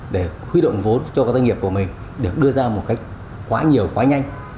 để huy động vốn cho các doanh nghiệp của mình được đưa ra một cách quá nhiều quá nhanh